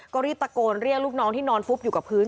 ก็รีบตะโกนเรียกลูกน้องที่นอนฟุบอยู่กับพื้น